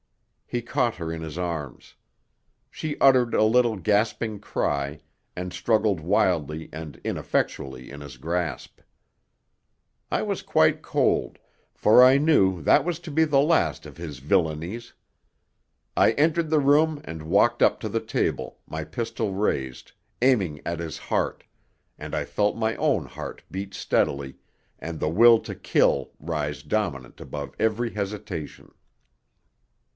He caught her in his arms. She uttered a little, gasping cry, and struggled wildly and ineffectually in his grasp. I was quite cold, for I knew that was to be the last of his villainies. I entered the room and walked up to the table, my pistol raised, aiming at his heart, and I felt my own heart beat steadily, and the will to kill rise dominant above every hesitation.